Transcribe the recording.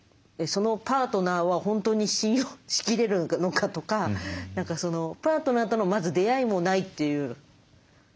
そのパートナーは本当に信用しきれるのかとか何かパートナーとのまず出会いもないっていう。